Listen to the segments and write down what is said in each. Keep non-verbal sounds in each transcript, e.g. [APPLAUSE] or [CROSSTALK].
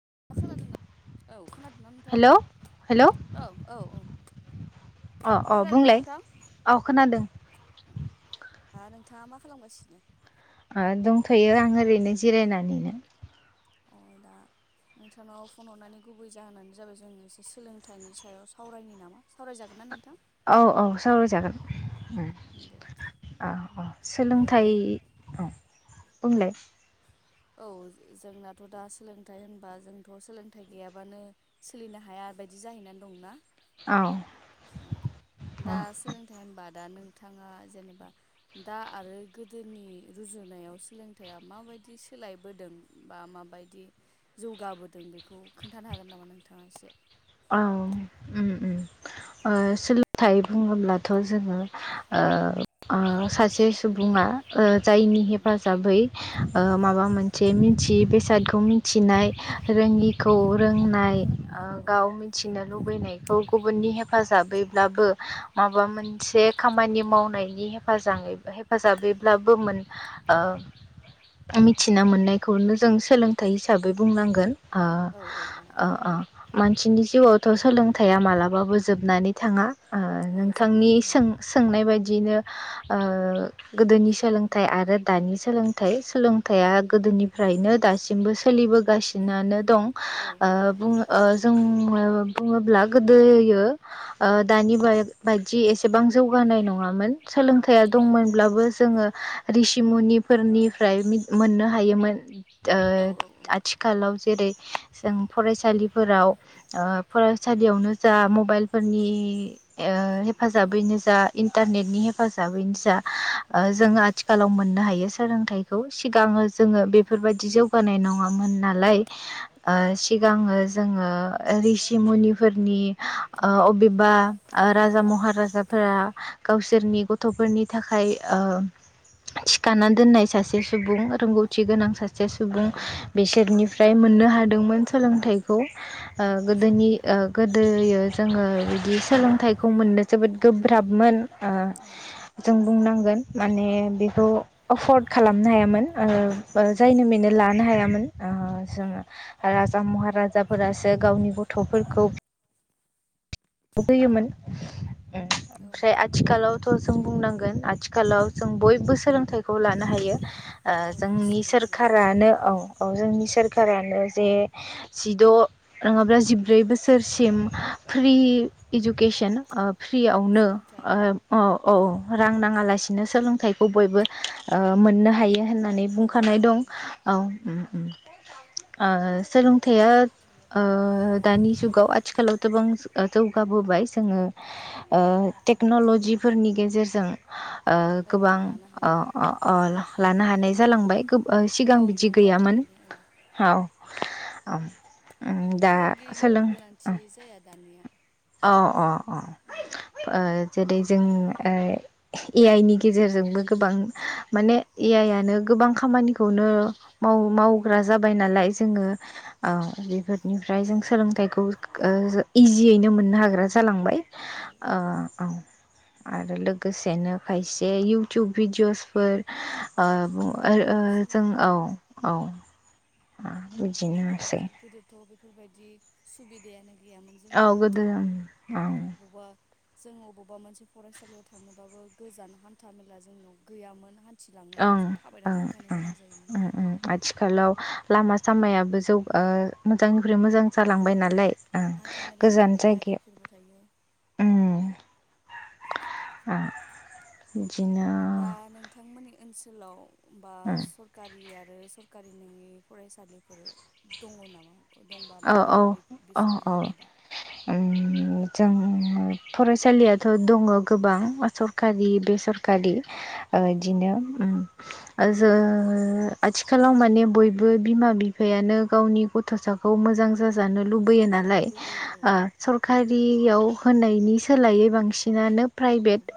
[INAUDIBLE] औ खोनादोंना नोंथाङा हेलौ हेलौ औ औ औ अ अ खोनादोंना बुंलाय नोंथां औ खोनादों दा नोंथाङा मा खालामगासिनो? ओ दंथ'यो आं ओरैनो जिरायनानैनो अ दा नोंथांनाव फन हरनानै गुबै जाहोनानो जाबाय जों एसे सोलोंथाइनि सायाव सावरायनि नामा सावरायजागोन ना नों औ औ सावराय जागोन ओम दे औ औ सोलोंथाइ औ बुंलाय औ जोंनाथ' दा सोलोंथाइ होनबा जोंथ' सोलोंथाइ गैयाबानो सोलिनो हाया। दा बेदि जाहैना दंना। औ औ दा औ सोलोंथाइ होनबा दा नों थाङा जेनेबा दा आरो गोदोनि रुजुनायाव सोलोंथाइया माबायदि सो सोलायबोदों बा माबायदि जौगाबोदों बेखौ खोन्थानो हागोन नामा नोंथाङा एसे औ ओम ओम ओ सोलोंथाइ बुङोब्लाथ' जोङो ओ ओ ओ सासे सुबुङा ओ जायनि उम उम हेफाजाबै ओ उम माबा मोनसे मिथि यि बेसादखौ मिथिनाय रोङिखौ रोंनाय औ ओ औ खौ गुबुननि हेफाजाबैब्लाबो माबा मोनसे खामानि मावनायनि हेफाजाब हेफाजाबैब्लाबो मोन ओ मिथिना मोननायखौनो जों सोलोंथाइ हिसाबै बुंनांगोन ओ औ औ औ ओ ओ मानसिनि जिउआवथ' सोलोंथाइया मालाबाबो जोबनानै थाङा। ओ औ नोंथांनि जोबनानै थाङा सों-सोंनाय बायदियैनो ओ गोदोनि सोलोंथाइ आरो दानि सोलोंथाइ सोलोंथाइया गोदोनिफ्रायनो दासिमबो सोलिबोगासिनोनानो दं औ ओ बुंनो ओ बुङोब्ला गोदोयो ओ दानि बाय-बायदि एसे बां जौगानाय नङामोन सोलोंथाइया औ दंमोनब्लाबो जोङो रिसिमुनिफोरनिफ्रा फ्राय मिथ मोननो हायोमोन ओ औ आथिखालाव जेरै- जों फरायसालि फ्राव ओ फरायसालियावनो जा मबाइलफोरनि ओ हेफ -फाजाबैनो जा इन्टारनेटनि हेफाजाबैनो जा जोङो आथिखालाव मोननो हायो सोलोंथाइखौ सिगाङो जोङो बेफोरबायदि जौगानाय नङामोन नालाय। ओ औ सिगाङो। जोङो ऋषि मुनिफोरनि ओ अबेबा राजा महाराफोर। -फोरा गावसोरनि गथ'फोरनि थाखाय ओ। थिखाना दोननाय सासे सुबुं रोंगौथि गोनां सासे सुबुं। औ बिसोरनिफ्राय औ मोननो हादोंमोन सोलोंथाइखौ। ओ औ गोदोनि बिसोरनिफ्राय गोदोयो जोङो। बि सोलोंथाइखौ मोननो जोबोद गोब्राबमोन ओ उम जों। बुंनांगोन माने बेखौ एफर्ड खालामनो हायामोन। उम जायनो मेनो लानो हायामोन जोङो राजा महारा जाफोरासो गावनि गथ'फोरखौ होयोमोन औ ओमफ्राय आथिखालाव स' जों बुंनांगोन आथिखालाव जों बयबो सोलोंथाइखौ लानो हायो औ गोसो जोंनि बायदि औ सोरखारानो औ औ जोंनि सोर सरकारानो जे जिद' नङाब्ला जिब्रै बोसोरसिम फ्रि इडुकेसन औ फ्रियावनो सोलोंथाइ ओं औ रां नाङा लासिनो सोलोंथाइखौ बयबो ओ मोननो हायो होननानै औ बुंखानाय मोननो दं हायो औ। ओ सोलोंथाइया दानि जुगाव आथिखालाव गोबां जौगाबोबाय जोङो टेक्न'लजिफोरनि गेजेरजों ओ औ गोबां लानो हायो लानो हानाय जालांबाय। सिगां गाव बिदि गावनो गैयामोन नायनानै औ औ। दा सोलों फोरोंगिरिनिबो गोनांथि जाया दानिया औ औ औ। जेरै जों ए आइ नि गेजेरजोंबो गोबां। औ माने ए आइ आनो गोबां खामानिखौनो। माव मावो मावग्रा जाबाय नालाय औ जोङो। ओ बेफोरनिफ्राय जों सोलोंथाइखौ इजियैनो मोननो हाग्रा जालांबाय। औ औ ओ औ आरो लोगोसेनो खायसे इउटुब भिडिअ'सफोर ओ नायनानैबो जों सोलोंनो औ हायो औ। नाथाय गोदो बुजिनोमोनसै। गोदोथ' बेफोरबायदि सुबिदायानो गैयामोन औ जोंनिया गोदो औ जोंङो अबावबा मोनसे फरायसालियाव थांनोबाबो गोजान हान्था मेला जोंनियाव गैयामोन हान्थिलांनोबो ओं जों थाबायनानै ओं थांनो ओं गोनां जायोमोन आरो ओंं आथिखालाव। लामा सामायाबो जौ मोजांनिफ्राय मोजां। जालांबाय औ नालायं हान्था मेलानि गोजान थाखाय जायगायाव। गारिफोरबो थायो उम बिदिनो। दा नोंथांमोननि ओनसोलाव बा उम सरकारि आरो। गारि नोंङि फरायसालिफोर दङ नामा? दंबा औ औ माबायदि बे औ बिसोरनि औ। हालोदा जों फरायसालियाथ' दङ गोबां सरखारि बेसरखारि ओ औ औ बिदिनो। जो आथिखालाव माने बयबो बिमा बिफायानो गावनि गथ'सा। खौ मोजां जाजानो लुबैयो औ नालाय लुबैयो औ ओ सरका रियाव होनायनि सोलायै बांसिनानो औ प्राइभेट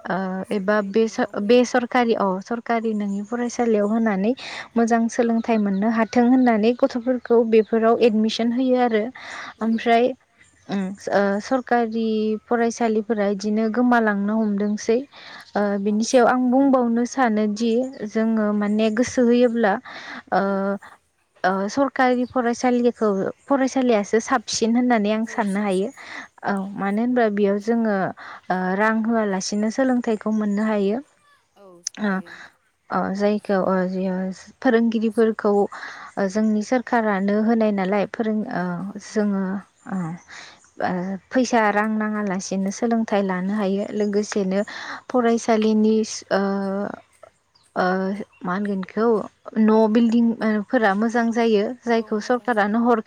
एबा सरकारि बे नङैयाव होयो बेसरकारि अ औ सरकारि नोंनि फरायसा। सालियाव होनानै मोजां सोलोंथाइ मोननो हाथों होननानै गथ'फोरखौ बेफोराव। औ सन होयो आरो होयो औ ओमफ्राय। ओ सरखारि फरायसालिफोरा इदिनो गोमालांनो हमदोंसै। ओ औ बिनि सायाव आं बांसिनानो बुंबावनो सानोदि जोङो माने गोसो होयोब्ला ओ उम ओ सरकारि फरायसालिखौ फरायसालियासो साबसिन सिन होननानै आं औ साननो हायो साबसिन औ मानो होनबा बेयाव जोङो ओ रां होआलासिनो सोलोंथाइखौ मोननो हायो। औ ओ हायो अ जायखौ फोरोंगिरिफोरखौ जोंनि सोरखारानो होनाय नालाय फोरों औ ओ होनाय जोङो ओ फैसा रां नाङा लासेनो सोलोंथाइ लानो हायो लोगोसेनो फरायसा लिनिस ओ ओ मा होनगोनबिखौ न' औ बिल्दिं फोरा मोजां जायो औ जायखौ मोजां सरखारानो जायो हर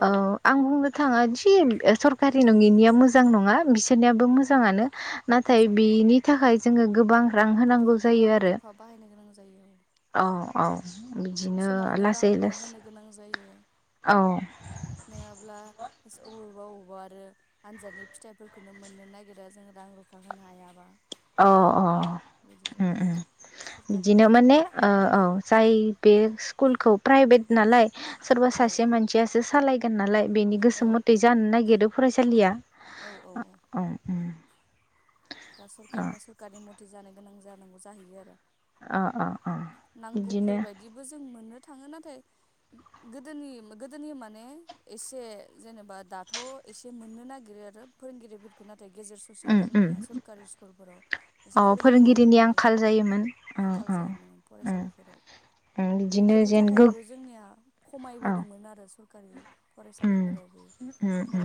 औ बुंनो थाङा जि सोरकारनि जारि नङिनिया मोजां नङा बिसोरनियाबो मोजाङानो नाथाय मोजां औ बिनि थाखाय जोङो गोबां रां होनांगौ जायो रां आरो रुफा बाहायनो गोनां जायो औ औ औ। बिदिनो समावनो रां लासै रुफा लासै होनो गोनां जायो औ नङाब्ला अबेावबा अबेबा आरो आनजादनि फिथाइफोरखौनो मोननो नागिरा जों रां रुफा होनो हायाबा अ अ बिदि उम जायो उम सरखारि बिदिनो नङि माने ओ औ जाय बे स्कुलखौ प्राइभेट नालाय सोरबा औ सासे मानसियासो सालायगोन नालाय बेनि औ गोसो मथै जानो नागिरो फरायसालिया औ दा सोरखारनिया सोरखारनि मथे जानो गोनां जानांगौ जाहैयो आरो अ अ बिदिनो नांगौफोरबायदिबो जों मोनो थाङो नाथाय गोदोनि गोदोनि माने एसे जेनेबा दाथ' एसे मोननो नागिरो आरो फोरोंगिरिफोरखौ नाथाय नाथाय गेजेर ससेयाव उम उम जोंनिया सरकारि स्कुलफोराव अ एसे फोरोंगिरिनि फोरोंगिरिफोरनि आंखाल [INAUDIBLE] जायोमोन अ अ उम उम बिदिनो बेफोरनि जेन गो थाखायबो जोंनिया औ खमायबोदोंमोन आरो सोरखारि उम उम उम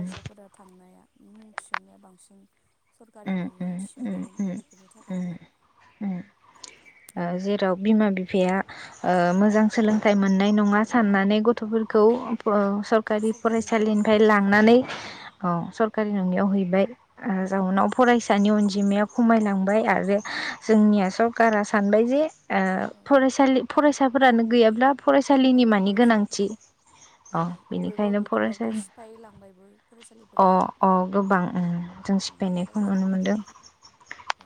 उम उम उम उम उम [INAUDIBLE] [INAUDIBLE] उम ओ जेराव बिमा बिफाया ओ मोजां सोलोंथाइ मोननाय नङा साननानै ग गथ'फोरखौ औ सोरखारि सरकारि नोङियाव फरायसालिनिफ्राय होयो आरो लांनानै स सोरखारि नङैआव हैबाय औ जाउनाव फरायसानि अनजिमाया खमायलांबाय आरो जों जोंनिया सोरखारा सानबाय जे औ फरायसा फरायसाफोरानो गैयाब्ला औ फरायसालिनि मानि फरायसालिखौ गोनांथि। औ अबेबा बेनिखायनो बबेखौबाबोथ' फरायसालि सिफायलांबायबो अ फरायसालिफोरखौ अ गोबां उम। जों उम सिफायनायखौ नुनो फरायसाफोर मोनदों। गैयिनि थाखाय औ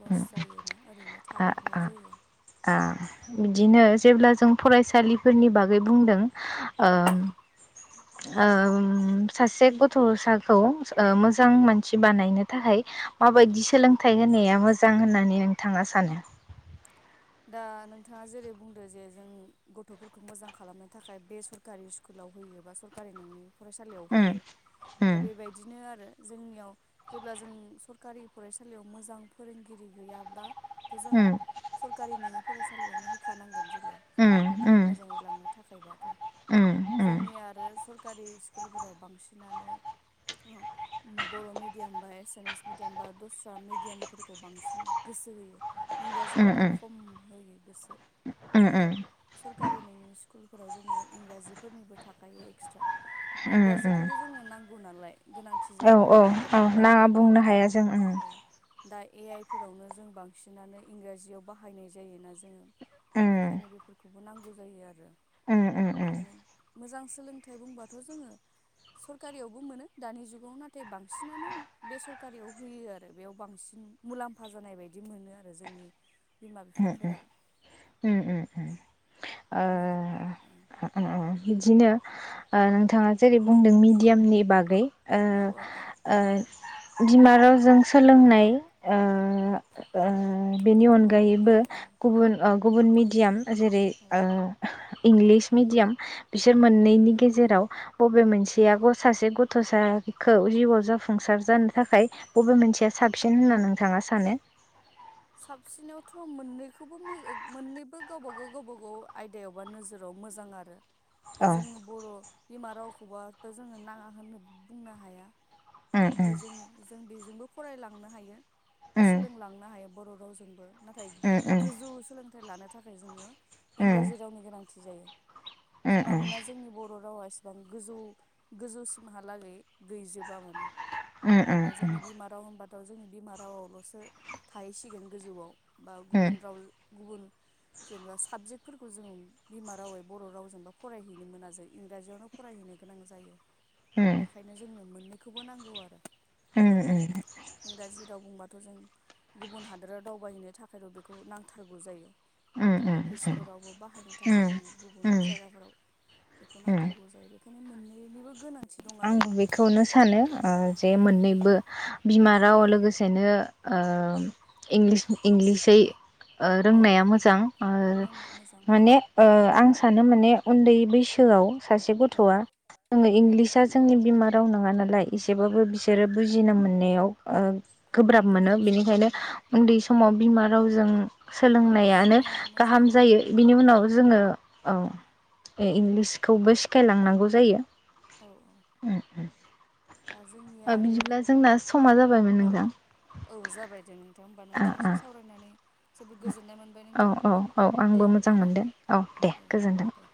लस उम जायोना ओरैनो आ थागारनाय आ जायो आ बिदिनो। जेब्ला जों फरायसालिफोरनि बागै बुंदों ओ उम सासे गथ'साखौ मोजां उम मानसि बानायनो थाखाय उम माबायदि सोलोंथाइ होनाया मोजां होननानै नोंथाङा सानो दा नोंथाङा जेरै बुंदों जे जों गथ'फोरखौ मोजां खालामनो थाखाय बे सरकारि स्कुलाव होयो बा सरकारि नङै फरायसालियाव उम होयो दा उम बेबायदिनो आरो। जोंनियाव जेब्ला जों सरखारि फरायसालियाव मोजां फोरोंगिरि गैयाब्ला थ' जों उम सरकारि नङै फरायसालियावनो होखानांगोन जों जोंनि गथ'खौ उम मोजाङै लांनो थाखायबाथ' उम उम जोंनि आरो सोरखारि सोरखारि स्कुलफोराव बांसिनानो बर' मिडियाम बा एसामिस मिडियाम बा दस्रा मिडियामफोरखौ बांसिन गोसो होयो उम इंराजिफोरखौ उम खम होयो गोसो उम उम नाथाय सरखारि नङै स्कूल स्कुलफोराव जोंनिया इंराजिफोरनिबो थाखायो एक्सट्रा उम उम इंराजिखौबो जोंनो नांगौ नालाय गोनांथि औ जायो औ गुबुन औ हादोरफोर नाङा दावबायनो बुंनो हाया जों औ दा ए आइ फोरावनो जों बांसिनानो इंराजियाव बाहायनाय जायोना जोङो उम बेखायनो बेफोरखौबो नांगौ जायो आरो उम उम उम बेखायनो मोजां सोलोंथाइ बुंबाथ' जोङो सोरखारियावबो मोनो दानि जुगाव नाथाय बांसिनानो बे सोरखारियाव होयो आरो बेयाव बांसिन मुलाम्फा जानाय बायदि मोनो आरो जोंनि बिमा बिफाफोरा [INAUDIBLE] बिदिनो नोंथाङा जेरै बुंदों मिडियामनि बागै ओ औ औ औ -ओ बिमा रावजों सोलोंनाय ओ -ओ बेनि गुबुन अनगायै औ बो औ गुबुन औ गुबुन मिडियाम जेरै औ इंलिस मिडियाम। बिसोर औ मोननैनि गेजेराव। बबे मोनसे आग सासे गथ'साखौ जिउआव जाफुंसार जानो थाखाय बबे मोनसे मानसिया साबसिन होनना नोंथाङा सानो? साबसिनावथ' मोननैखौबो मोननैबो गावबागाव - गावबाागाव आयदायावबा नोजोराव मोजां आरो। दा औ जोंङ बर' बिमा रावखौबाथ' जोङो नाङा होननो बुंनो हाया। उम जे जों - जों बेजोंबो फरायलांनो हायो बा उम सोलोंलांनो हायो। बर' रावजोंबो नाथाय उम उम गोजौ सोलोंथाइ लानो थाखाय जोङो उम इंराजि रावनि गोनांथि जायो उम उम मानोना जोंनि बर' रावा बिसिबां गोजौ गोजौसिमहालागै गैजोबा माने। उम दा उम जोंनि बिमा राव होनबाथ' जोंनि बिमा रावआवल'सो थाहैसिगोन गोजौआव। बा उम गुबुन राव गुबुन जेनेबा साबजेक्ट फोरफोरखौ जों बिमा रावै बर' रावजोंबा फरायहैनो मोना जों इंराजियावनो फरायहैनो गोनां जायो। उम बेखायनो जोंनो मोननैखौबो नांगौ आरो उम आरो उम इंराजि राव बुंबाथ' थ' जों गुबुन हादोराव दावबायहैनो थाखायथ' बेखौ नांथारगौ जायो। उम अफिसफोरावबो बाहायनो थाखाय उम जोङो गुबुन जायगाफोराव। बेखौ नांथारगौ जायो बेखायनो मोननैनिबो गोनांथि दं आं आरो बेखौनो सानो जे औ मोननैबो बिमा राव लोगोसेनो इंलिस इंगिसै औ रोंनाया औ मोजां मोन मोजां उम माने आं सानो माने उन्दै बैसोआव सासे उम गथ'आ जङो उम इंलिस बिमा राव नङा नालाय एसेबाबो बिसोरो औ बुजिनो मोननायाव गोब्राब मोनो जायो बेनिखायनो औ उन्दै समाव बिमा रावजों सोलोंनायानो सोलोंनाया मोजां गाहाम आरो जायो बिनि उनाव औ जोङो। औ इंलिसखौबो सिखायलांनांगौ जायो। औ औ दा जोंनिया आरो बिदिब्ला जोंना समा जाबायमोन औ नोंथां। औ जाबाय दे नोंथां होमबा औ नोंथांजों सावरायनानै जोबोद गोजोननाय मोनबाय औ नोंथां -औ -औ दे आंबो होमबा मोजां ना मोनदों औ दे गोजोन्थों। दे